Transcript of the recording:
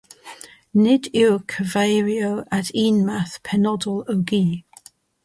Nid yw'n cyfeirio at un math penodol o gi.